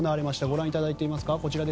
ご覧いただいています、こちら。